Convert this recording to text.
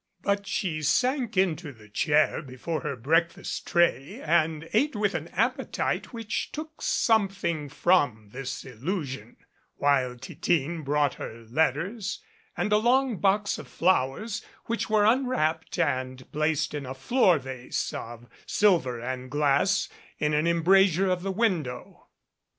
But she sank into the chair before her breakfast tray and ate with an appetite which took something from this illusion, while Titine brought her letters and a long box of flowers which were unwrapped and placed in a floor vase of silver and glass in an embrasure of the window.